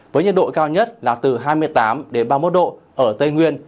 với nhiệt độ cao nhất là từ hai mươi tám ba mươi một độ ở tây nguyên